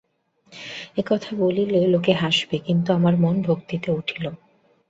এ কথা বলিলে লোকে হাসিবে, কিন্তু আমার মন ভক্তিতে উঠিল।